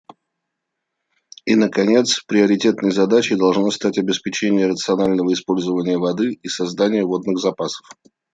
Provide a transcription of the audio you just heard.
И, наконец, приоритетной задачей должно стать обеспечение рационального использования воды и создания водных запасов.